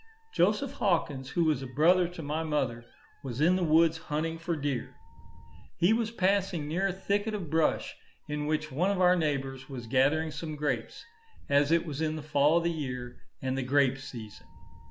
Joseph Hawkins, who was a brother to my mother, was in the woods hunting for deer. He was passing near a thicket of brush, in which one of our neighbours was gathering some grapes, as it was in the fall of the year, and the grape season.